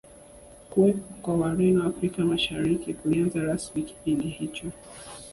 Kuwepo kwa Wareno Afrika Mashariki kulianza rasmi kipindi hicho